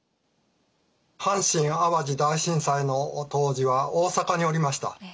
阪神淡路大震災の当時は大阪におりました。